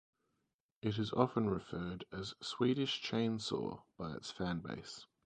It is often referred as "Swedish Chainsaw" by its fanbase.